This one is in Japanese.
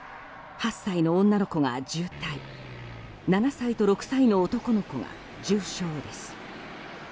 ８歳の女の子が重体７歳と６歳の男の子が重傷です。